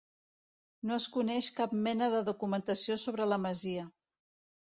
No es coneix cap mena de documentació sobre la masia.